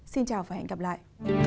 xin chào và hẹn gặp lại